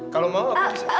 kalau mau aku bisa